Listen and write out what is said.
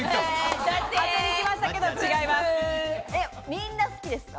みんな好きですか？